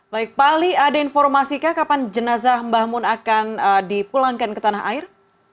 baik pak ali ada informasikah kapan jenazah mbah mun akan dipulangkan ke tanah air